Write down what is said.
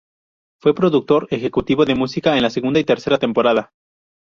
Fue productor ejecutivo de música en la segunda y tercera temporada.